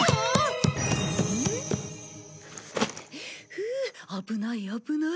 ふう危ない危ない。